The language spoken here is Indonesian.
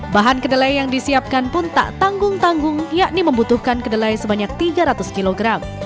bahan kedelai yang disiapkan pun tak tanggung tanggung yakni membutuhkan kedelai sebanyak tiga ratus kg